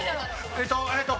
えっとえっと。